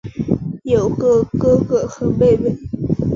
有一个哥哥和妹妹。